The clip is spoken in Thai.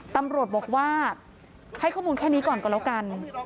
ตำรวจบอกว่าให้ข้อมูลแค่นี้ก่อนก็แล้วกัน